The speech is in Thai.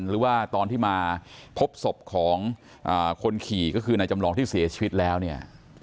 หรือว่าตอนที่มาพบศพของคนขี่ก็คือนายจำลองที่เสียชีวิตแล้วเนี่ย